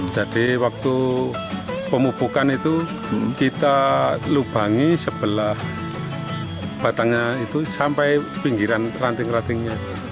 jadi waktu pemupukan itu kita lubangi sebelah batangnya itu sampai pinggiran ranting rantingnya